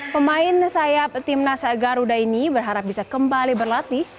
pemain sayap tim nasagah rudaini berharap bisa kembali berlatih